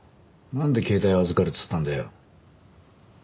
なんで携帯を預かるっつったんだよ？